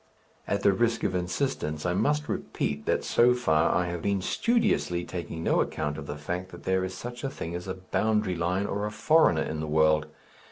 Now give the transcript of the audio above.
[At the risk of insistence, I must repeat that, so far, I have been studiously taking no account of the fact that there is such a thing as a boundary line or a foreigner in the world.